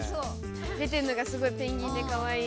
出てるのがすごいペンギンでかわいい。